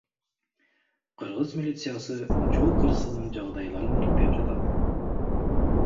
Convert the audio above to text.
Кыргыз милициясы жол кырсыгынын жагдайларын иликтеп жатат.